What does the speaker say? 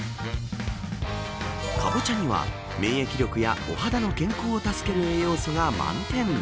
カボチャには免疫力やお肌の健康を助ける栄養素が満点。